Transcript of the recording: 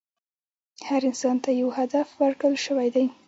هر انسان ته یو هدف ورکړل شوی دی.